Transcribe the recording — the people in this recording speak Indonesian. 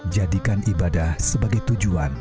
jadikan ibadah sebagai tujuan